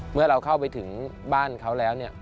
เมื่อเราเข้าไปถึงบ้านเขาแล้วเนี่ย